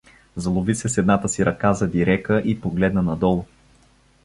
Залови се с едната си ръка за дирека и погледна надолу.